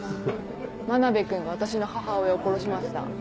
真部くんが私の母親を殺しました。